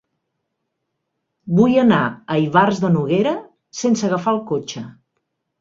Vull anar a Ivars de Noguera sense agafar el cotxe.